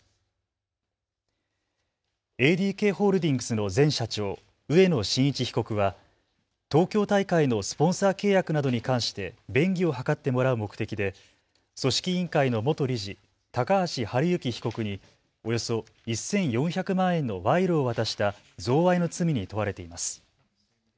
ＡＤＫホールディングスの前社長、植野伸一被告は東京大会のスポーツ会契約などに関して便宜を図ってもらう目的で組織委員会の元理事、高橋治之被告におよそ１４００万円の賄賂を渡した贈賄の罪に問われています。